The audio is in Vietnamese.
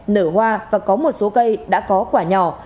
nở hoa và có một số cây đã có quả nhỏ